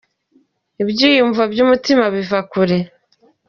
ibyiyumvo byumutima biva kure